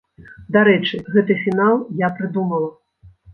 Дарэчы, гэты фінал я прыдумала!